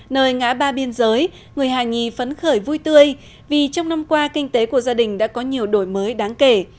nơi ngã ba biên giới người hà nhì phấn khởi vui tươi vì trong năm qua kinh tế của gia đình đã có nhiều đổi mới đáng kể